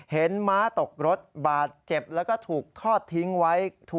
ม้าตกรถบาดเจ็บแล้วก็ถูกทอดทิ้งไว้